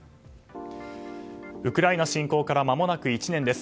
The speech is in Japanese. ウクライナ侵攻からまもなく１年です。